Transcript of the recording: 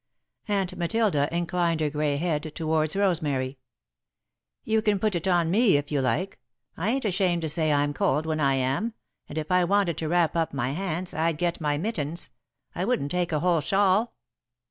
Aunt Matilda inclined her grey head toward Rosemary. "You can put it on me if you like. I ain't ashamed to say I'm cold when I am, and if I wanted to wrap up my hands, I'd get my mittens I wouldn't take a whole shawl."